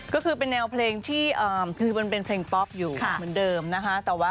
ก็คือเป็นแนวเพลงที่คือมันเป็นเพลงป๊อปอยู่เหมือนเดิมนะคะ